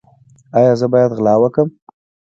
ایا زه باید غلا وکړم؟